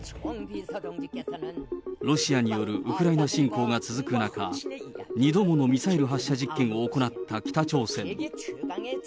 ロシアによるウクライナ侵攻が続く中、２度ものミサイル発射実験を行った北朝鮮。